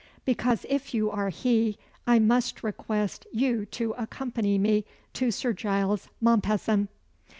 "Because if you are he, I must request you to accompany me to Sir Giles Mompesson."